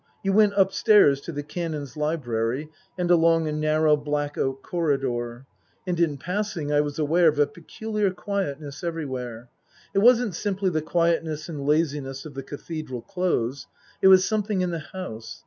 You went upstairs to the Canon's library, and along a narrow black oak corridor. And in passing I was aware of a peculiar quietness everywhere. It wasn't simply the quietness and laziness of the Cathedral Close. It was something in the house.